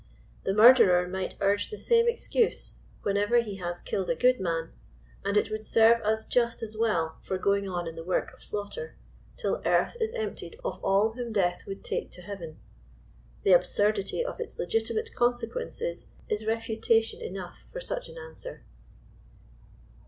The murderer might urge the same excuse, whenever he has killed a good man, and it would serve us just as well for going on in the work of slaughter, till earth is emptied of all whom death would take to heaven. The absurdity of its legitimate consequences is refutation enough for such an answer.